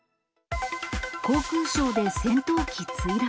航空ショーで戦闘機墜落。